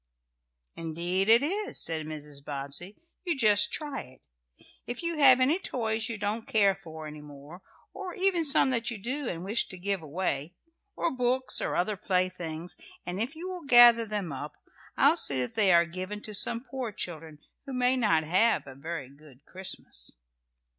"Indeed it is," said Mrs. Bobbsey. "You just try it. If you have any toys you don't care for any more, or even some that you do, and wish to give away, or books or other playthings, and if you will gather them up, I'll see that they are given to some poor children who may not have a very good Christmas."